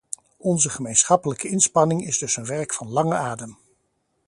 Onze gemeenschappelijke inspanning is dus een werk van lange adem.